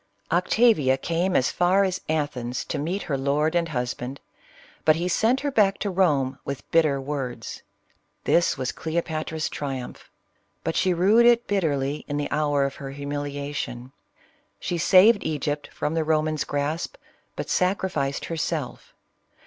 Octavia came as far as Athens to meet her lord and husband, but he sent her back to Rome with bitter words. This was Cleopatra's triumph, but she rued it bitterly in the hour of her humiliation. She saved Egypt from the Roman's grasp, but sacrificed herself.